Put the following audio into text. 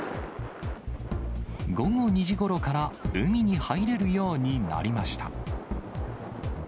午後２時ごろから海に入れるようになりました。